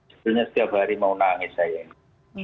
sebetulnya setiap hari mau nangis saya ini